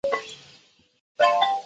因功给予节度使世选名额。